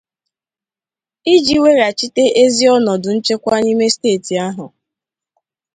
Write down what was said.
iji weghachite ezi ọnọdụ nchekwa n'ime steeti ahụ.